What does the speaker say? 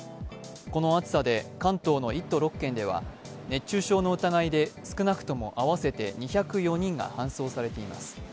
この暑さで関東の１都６県では、熱中症の疑いで少なくとも合わせて２０４人が搬送されています